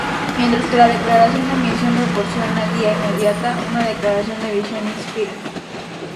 Mientras que la declaración de misión proporciona guía inmediata, una declaración de visión inspira.